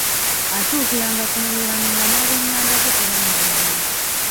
Atuukiranga ku muliraano nga n’ab’eηηanda ze tebannamanya.